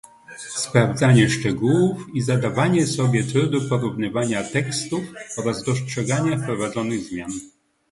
sprawdzanie szczegółów i zadawanie sobie trudu porównywania tekstów oraz dostrzeganie wprowadzonych zmian